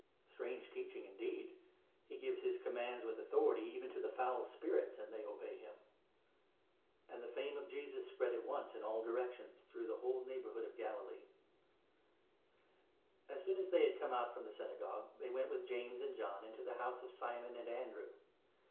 Strange teaching indeed ! He gives his commands with authority even to the foul spirits, and they obey him !" And the fame of Jesus spread at once in all directions, through 28 the whole neighbourhood of Galilee. Cure As soon as they had come out from the Syna 29 M 0hPr"*nri*w £°&ue> tney wen*» with James and John, into and of'many' the house of Simon and Andrew.